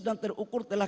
dan terukur telah